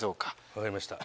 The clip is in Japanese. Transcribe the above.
分かりました。